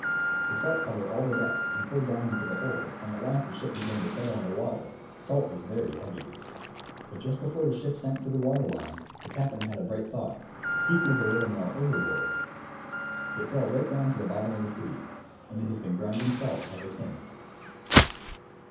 The salt covered all the decks and poured down into the hold, and at last the ship began to settle in the water; salt is very heavy. But just before the ship sank to the water line, the Captain had a bright thought: he threw the Little Mill overboard! It fell right down to the bottom of the sea. _And it has been grinding salt ever since.